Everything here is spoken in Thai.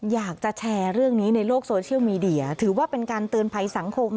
อยากจะแชร์เรื่องนี้ในโลกโซเชียลมีเดียถือว่าเป็นการเตือนภัยสังคม